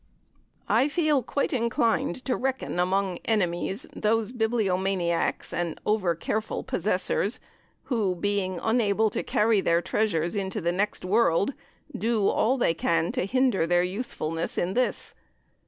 I feel quite inclined to reckon among "enemies" those bibliomaniacs and over careful possessors, who, being unable to carry their treasures into the next world, do all they can to hinder their usefulness in this.